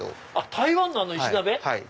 台湾のあの石鍋！